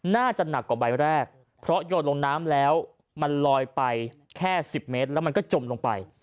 น่าจะหนักกว่าใบแรกเพราะโยนลงน้ำแล้วมันลอยไปแค่๑๐เมตรแล้วมันก็จมลงไป